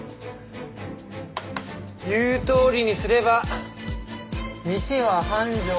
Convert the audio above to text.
言うとおりにすれば店は繁盛するんだよ。